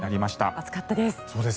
暑かったです。